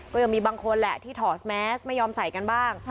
ก็ยังมีบางคนแหละที่ถอดแมสไม่ยอมใส่กันบ้าง